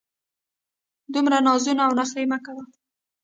دومره نازونه او نخرې مه کوه!